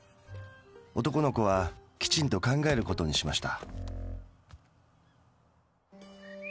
男の子はきちんと考えることにしました。